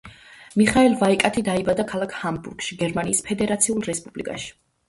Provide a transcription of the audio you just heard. მიხაელ ვაიკათი დაიბადა ქალაქ ჰამბურგში, გერმანიის ფედერაციულ რესპუბლიკაში.